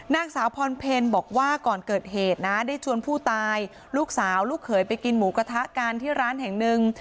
นางสาวพรเพลบอกว่าก่อนเกิดเหตุนะได้ชวนผู้ตายลูกสาวลูกเขยไปกินหมูกระทะกันที่ร้านแห่งหนึ่ง